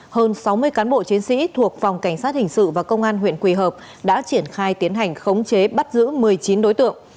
hơn sáu mươi cán bộ chiến sĩ thuộc phòng cảnh sát hình sự và công an huyện quỳ hợp đã triển khai tiến hành khống chế bắt giữ một mươi chín đối tượng